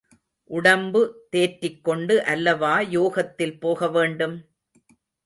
உடம்பு தேற்றிக் கொண்டு அல்லவா யோகத்தில் போக வேண்டும்?